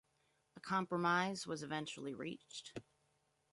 A compromise was eventually reached.